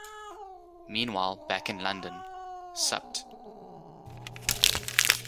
Meanwhile back in London, Supt.